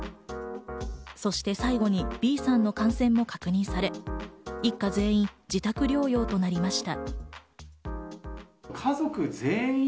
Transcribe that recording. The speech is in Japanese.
そして最後にＢさんの感染も確認され、一家全員、自宅療養となりました。